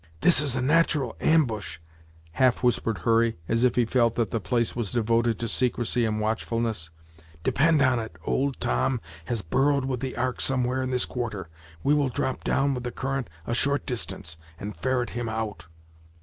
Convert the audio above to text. "This is a nat'ral and bush," half whispered Hurry, as if he felt that the place was devoted to secrecy and watchfulness; "depend on it, old Tom has burrowed with the ark somewhere in this quarter. We will drop down with the current a short distance, and ferret him out."